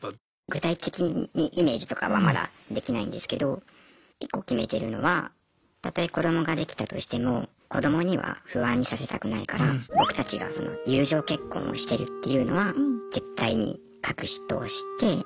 具体的にイメージとかはまだできないんですけど１個決めてるのはたとえ子どもができたとしても子どもには不安にさせたくないからっていうのは奥さんとも話してますね。